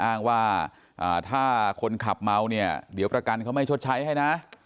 อ้างว่าถ้าคนขับเมาเนี่ยเดี๋ยวประกันเขาไม่ชดใช้ให้นะ